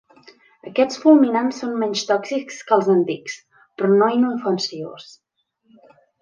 Aquests fulminants són menys tòxics que els antics, però no inofensius.